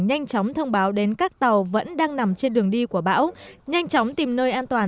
nhanh chóng thông báo đến các tàu vẫn đang nằm trên đường đi của bão nhanh chóng tìm nơi an toàn